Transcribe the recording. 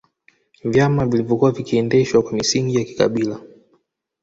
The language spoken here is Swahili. Vyama vilivyokuwa vikiendeshwa kwa misingi ya kikabila